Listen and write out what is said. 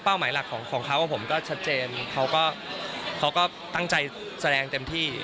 หมายหลักของเขาผมก็ชัดเจนเขาก็ตั้งใจแสดงเต็มที่